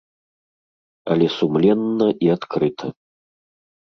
Але сумленна і адкрыта.